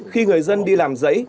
khi người dân đi làm giấy